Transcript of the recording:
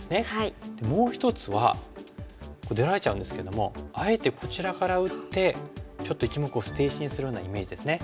もう一つは出られちゃうんですけどもあえてこちらから打ってちょっと１目を捨て石にするようなイメージですね。